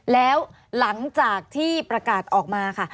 แล้วหลังจากที่ประกาศออกมาค่ะ